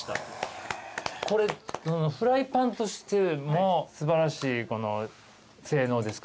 これフライパンとしても素晴らしい性能ですか？